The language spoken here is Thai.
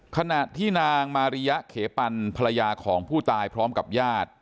ขณะที่นางมาริยะเขปันภรรยาของผู้ตายพร้อมกับญาติ